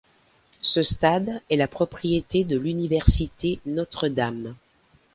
Ce stade est la propriété de l'université Notre-Dame.